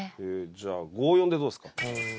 じゃあ５４でどうですか。